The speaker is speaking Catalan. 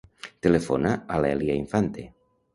Telefona a l'Èlia Infante.